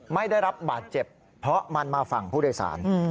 ไม่ได้รับบาดเจ็บเพราะมันมาฝั่งผู้โดยสาร